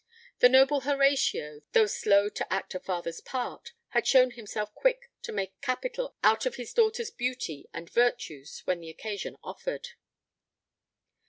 The noble Horatio, though slow to act a father's part, had shown himself quick to make capital out of his daughter's beauty and virtues when the occasion offered.